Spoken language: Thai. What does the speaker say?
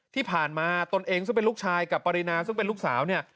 ที่ผ่านมาตนเองซึ่งเป็นลูกชายกับปรินาซึ่งเป็นลูกสาวเนี่ย